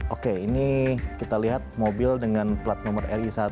oke ini kita lihat mobil dengan plat nomor ri satu